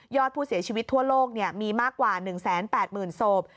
อดผู้เสียชีวิตทั่วโลกมีมากกว่า๑๘๐๐๐ศพ